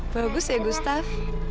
bagus ya gustaf